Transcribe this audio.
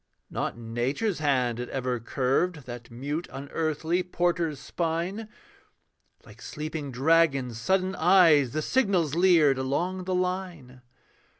Not Nature's hand had ever curved That mute unearthly porter's spine. Like sleeping dragon's sudden eyes The signals leered along the line.